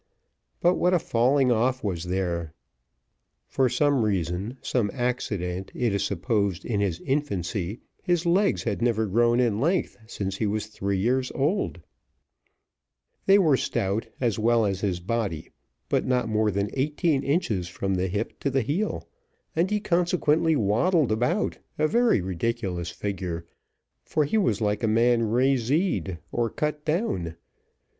But what a falling off was there! for some reason, some accident, it is supposed, in his infancy, his legs had never grown in length since he was three years old: they were stout as well as his body, but not more than eighteen inches from the hip to the heel; and he consequently waddled about a very ridiculous figure, for he was like a man razeed or cut down.